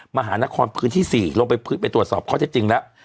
มหานครพื้นที่๔ลงไปตรวจสอบข้อเท็จจริงแล้ว